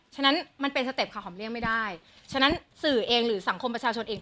ฉะนั้นมันเป็นสเต็ปค่ะหอมเลี่ยงไม่ได้ฉะนั้นสื่อเองหรือสังคมประชาชนเอง